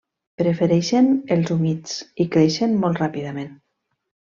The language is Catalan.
Prefereixen els humits, i creixen molt ràpidament.